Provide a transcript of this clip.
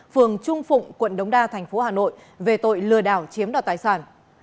phường trung phụng quận đống đa thành phố hà nội về tội lừa đảo chiếm đoạt tài sản